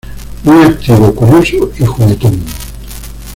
Muy activo, curioso y juguetón.